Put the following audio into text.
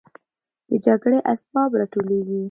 د جګړې اسباب راټولېږي.